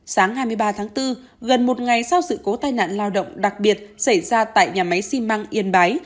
sáng hai mươi ba tháng bốn gần một ngày sau sự cố tai nạn lao động đặc biệt xảy ra tại nhà máy xi măng yên bái